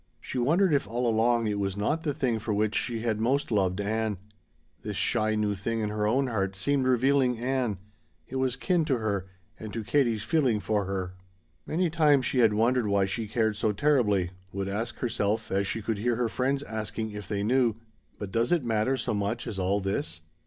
She wondered if all along it was not the thing for which she had most loved Ann. This shy new thing in her own heart seemed revealing Ann. It was kin to her, and to Katie's feeling for her. Many times she had wondered why she cared so terribly, would ask herself, as she could hear her friends asking if they knew: "But does it matter so much as all this?"